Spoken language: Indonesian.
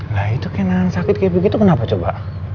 lah itu kenangan sakit kayak begitu kenapa coba